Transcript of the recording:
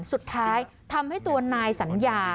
สุดท้ายทำให้ตัวนายสัญญา